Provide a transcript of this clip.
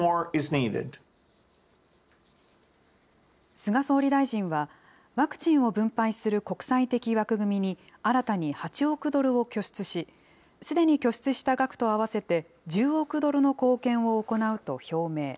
菅総理大臣は、ワクチンを分配する国際的枠組みに、新たに８億ドルを拠出し、すでに拠出した額と合わせて１０億ドルの貢献を行うと表明。